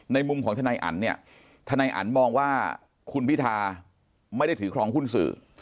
มุมของทนายอันเนี่ยทนายอันมองว่าคุณพิธาไม่ได้ถือครองหุ้นสื่อ